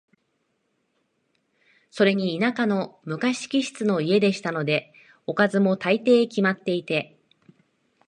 それに田舎の昔気質の家でしたので、おかずも、大抵決まっていて、